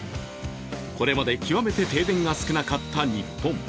これまで極めて停電が少なかった日本。